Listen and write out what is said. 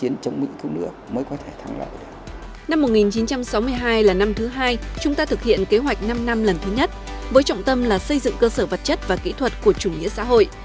năm một nghìn chín trăm sáu mươi hai là năm thứ hai chúng ta thực hiện kế hoạch năm năm lần thứ nhất với trọng tâm là xây dựng cơ sở vật chất và kỹ thuật của chủ nghĩa xã hội